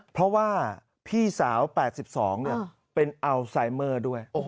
เพราะว่าพี่สาว๘๒เป็นอัลไซเมอร์ด้วย